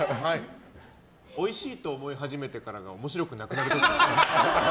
おいしいと思い始めてからが面白くなくなる時。